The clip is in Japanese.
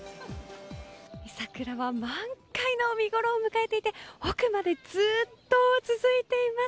桜は満開の見ごろを迎えていて奥までずっと続いています。